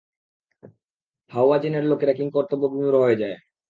হাওয়াযিনের লোকেরা কিংকর্তব্যবিমূঢ় হয়ে যায়।